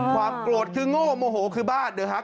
ความโกรธคือโง่โมโหคือบ้า